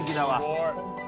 すごい。